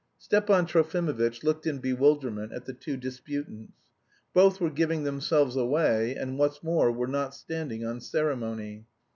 Stepan Trofimovitch looked in bewilderment at the two disputants. Both were giving themselves away, and what's more, were not standing on ceremony.